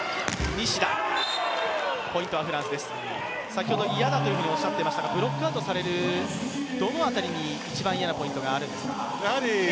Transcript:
先ほど嫌だとおっしゃっていましたが、ブロックアウトされるどの辺りに一番嫌なポイントがあるんですか？